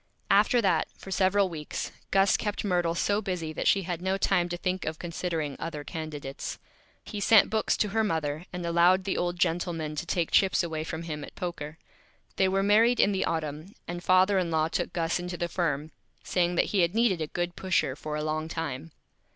After that, for several Weeks, Gus kept Myrtle so Busy that she had no Time to think of considering other Candidates. He sent Books to her Mother, and allowed the Old Gentleman to take Chips away from him at Poker. They were Married in the Autumn, and Father in Law took Gus into the Firm, saying that he had needed a good Pusher for a Long Time.